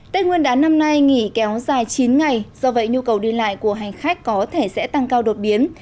tết nguyên đán năm nay nghỉ kéo dài chín ngày do vậy nhu cầu đi lại của hành khách có thể sẽ tăng cao đột biến